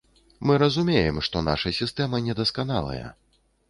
Мы разумеем, што наша сістэма недасканалая.